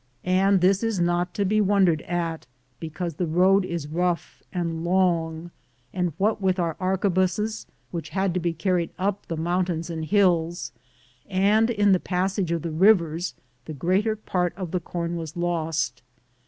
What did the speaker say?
And this is not to be wondered at, because the road is rough and long, and what with our harque buses, which had to be carried up the moun tains and hills and in the passage of the rivers, the greater part of the corn was lost.